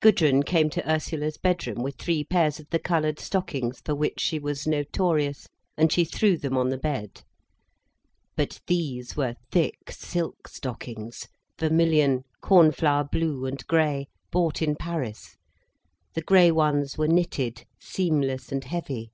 Gudrun came to Ursula's bedroom with three pairs of the coloured stockings for which she was notorious, and she threw them on the bed. But these were thick silk stockings, vermilion, cornflower blue, and grey, bought in Paris. The grey ones were knitted, seamless and heavy.